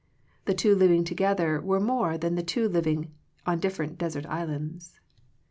The two living together were more than the two living on different desert islands.